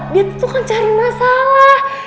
dia tuh kan cari masalah